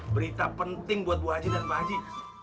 berita penting buat bu haji dan mbak haji